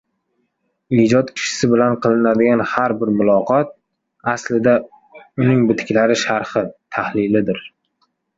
Ijod kishisi bilan qilinadigan har bir muloqot, aclida, uning bitiklari sharhi, tahlilidir.